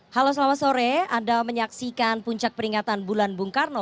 halo selamat sore anda menyaksikan puncak peringatan bulan bung karno